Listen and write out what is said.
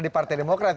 di partai demokrat